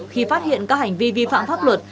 khi phát hiện các hành vi vi phạm pháp luật